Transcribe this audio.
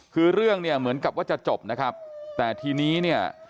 คือเรื่องเนี่ยเหมือนกับว่าจะจบนะครับแต่ทีนี้เนี่ย